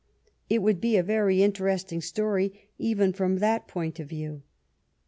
It would be a very interesting story even from that point of view.